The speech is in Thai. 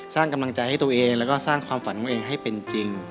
สร้างกำลังใจให้ตัวเองแล้วก็สร้างความฝันของตัวเองให้เป็นจริง